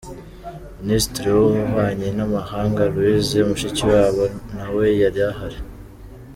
Minisitiri w'Ububanyi n'Amahanga Louise Mushikiwabo na we yari ahari.